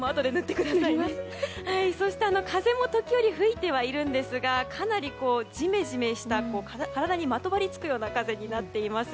そして、風も時折吹いてはいるんですがかなりジメジメした体にまとわりつく風になっています。